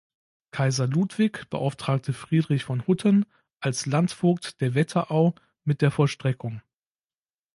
Kaiser Ludwig beauftragte Friedrich von Hutten als Landvogt der Wetterau mit der Vollstreckung.